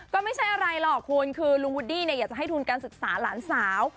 ก็ไม่ใช่อะไรหรอกคุณคือลุงวูดดี้เนี่ยอยากจะให้ทุนการศึกษาหลานสาว